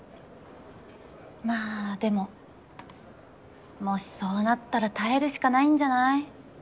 まあでももしそうなったら耐えるしかないんじゃない？